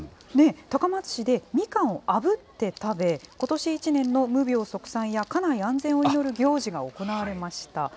高松市でみかんをあぶって食べ、ことし一年の無病息災や家内安全を祈る行事が行われました。